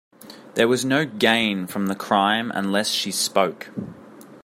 There was no gain from the crime unless she spoke.